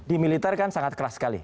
di militer kan sangat keras sekali